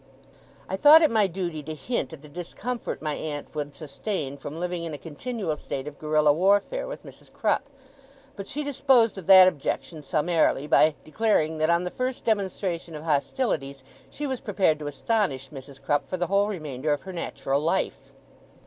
I thought it my duty to hint at the discomfort my aunt would sustain, from living in a continual state of guerilla warfare with Mrs. Crupp; but she disposed of that objection summarily by declaring that, on the first demonstration of hostilities, she was prepared to astonish Mrs. Crupp for the whole remainder of her natural life.